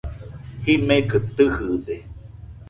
Jimekɨ tɨjɨde